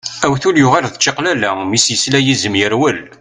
Awtul yuɣal d at čaqlala, mi s-yesla yizem yerwel.